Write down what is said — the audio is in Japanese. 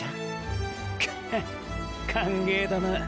クハ歓迎だな。